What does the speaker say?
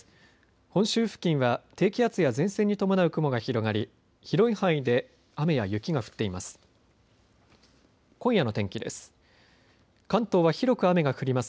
本州付近は低気圧や前線に伴う雲が広がり広い範囲で雨や雪が降っています。